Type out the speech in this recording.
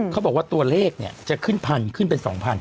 เขาบอกว่าตัวเลขจะขึ้นพันขึ้นเป็น๒๐๐